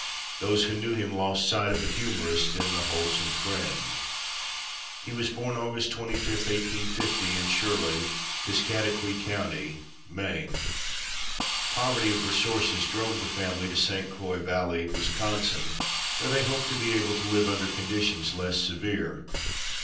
Those who knew him lost sight of the humorist in the wholesome friend. He was born August 25, 1850, in Shirley, Piscataquis County, Maine. Poverty of resources drove the family to St. Croix Valley, Wisconsin, where they hoped to be able to live under conditions less severe.